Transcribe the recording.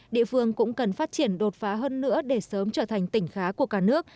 địa phương cũng cần phát triển đột phá hơn nữa để sớm trở thành tỉnh khá của cả nước